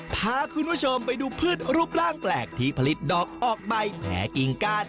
พาคุณผู้ชมไปดูพืชรูปร่างแปลกที่ผลิตดอกออกใบแพ้กิ่งก้าน